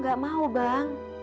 gak mau bang